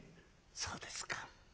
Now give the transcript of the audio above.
「そうですか。